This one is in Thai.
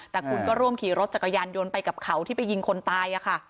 แต่คุณก็ร่วมขี่รถจักรยานยนต์ไปกับเขาที่ไปยิงคนตายค่ะ